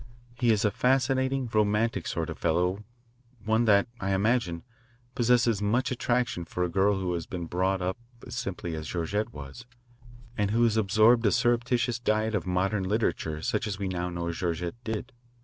He is a fascinating, romantic sort of fellow, one that, I imagine, possesses much attraction for a girl who has been brought up as simply as Georgette was, and who has absorbed a surreptitious diet of modern literature such as we now know Georgette did.